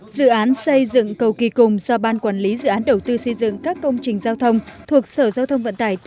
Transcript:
dự án xây dựng cầu kỳ cùng do ban quản lý dự án đầu tư xây dựng các công trình giao thông thuộc sở giao thông vận tải tỉnh làm chủ đầu tư